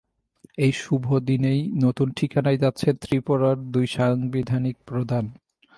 এই শুভদিনেই নতুন ঠিকানায় যাচ্ছেন ত্রিপুরার দুই সাংবিধানিক প্রধান।